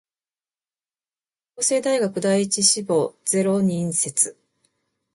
法政大学第一志望ゼロ人説